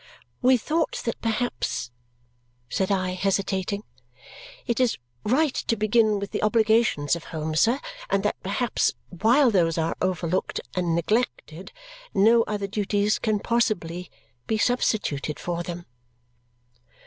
"We thought that, perhaps," said I, hesitating, "it is right to begin with the obligations of home, sir; and that, perhaps, while those are overlooked and neglected, no other duties can possibly be substituted for them."